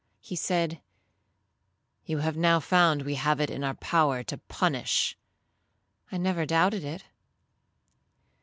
He said, 'You have now found we have it in our power to punish.'—'I never doubted it.'